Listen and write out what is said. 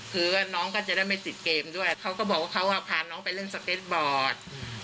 คือว่าน้องก็จะได้ไม่ติดเกมด้วยเขาก็บอกว่าเขาพาน้องไปเล่นสเก็ตบอร์ด